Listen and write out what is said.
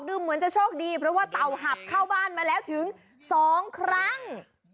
เหมือนจะโชคดีเพราะว่าเต่าหับเข้าบ้านมาแล้วถึง๒ครั้ง